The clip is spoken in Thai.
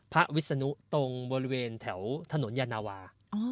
วิศนุตรงบริเวณแถวถนนยานาวา